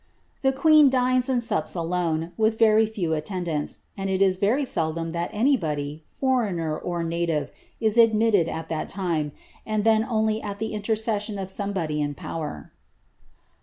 "The queen dines and sups alone, with very few aUendants; SDii i' ELIZABETH. 169 13 very seldom that anybody, foreigner or native, is admitted at that time, ftnd then onfy at the intercession of somebody in power.